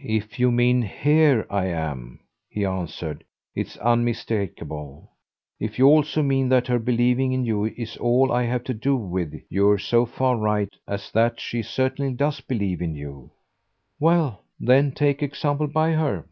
"If you mean HERE I am," he answered, "it's unmistakeable. If you also mean that her believing in you is all I have to do with you're so far right as that she certainly does believe in you." "Well then take example by her."